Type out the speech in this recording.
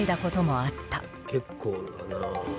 結構だな。